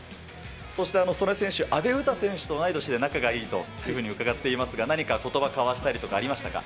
そして素根選手、阿部詩選手と同い年で仲がいいというふうに伺っていますが、何かことば交わしたりとか、ありましたか。